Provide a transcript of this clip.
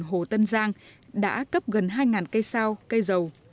hồ tân giang đã cấp gần hai cây sao cây dầu